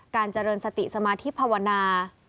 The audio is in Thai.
การเจริญสติสมาธิภาวนา